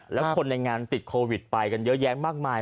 แล้วคนในงานติดโควิดไปกันเยอะแยะมากมาย